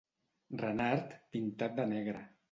Renard pintat de negre.